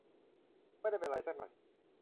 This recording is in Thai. ไม่ได้เป็นไรซะหน่อย